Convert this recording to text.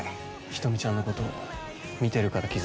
人見ちゃんのこと見てるから気づいたんだよ